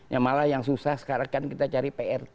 ya malah yang susah sekarang kan kita cari prt